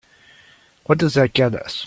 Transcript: What does that get us?